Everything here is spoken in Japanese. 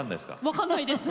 分かんないです。